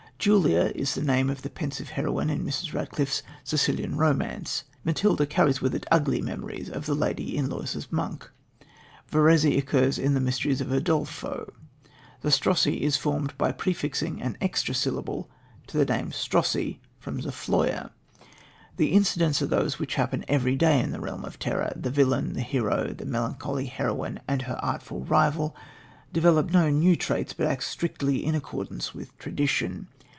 Julia is the name of the pensive heroine in Mrs. Radcliffe's Sicilian Romance. Matilda carries with it ugly memories of the lady in Lewis's Monk; Verezzi occurs in The Mysteries of Udolpho; Zastrozzi is formed by prefixing an extra syllable to the name Strozzi from Zofloya. The incidents are those which happen every day in the realm of terror. The villain, the hero, the melancholy heroine, and her artful rival, develop no new traits, but act strictly in accordance with tradition.